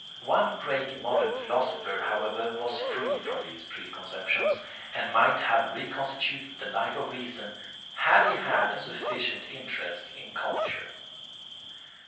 One great modern philosopher, however, was free from these preconceptions, and might have reconstituted the Life of Reason had he had a sufficient interest in culture.